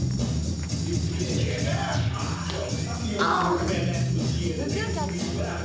あっ！